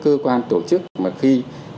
cơ quan tổ chức mà khi